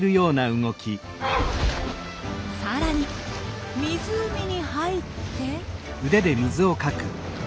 さらに湖に入って。